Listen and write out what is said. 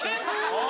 お！